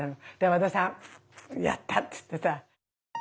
和田さん「やった！」って言ってさ。